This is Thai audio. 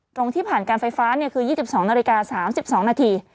กล้องที่ผ่านการไฟฟ้าคือ๒๒น๓๒น